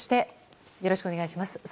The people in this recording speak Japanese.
よろしくお願いします。